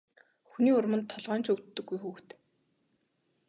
Хүний урманд толгой нь ч өвддөггүй хүүхэд.